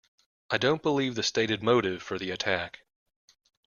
I don't believe the stated motive for the attack.